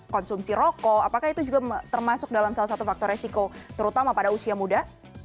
konsumsi rokok apakah itu juga termasuk dalam salah satu faktor resiko terutama pada usia muda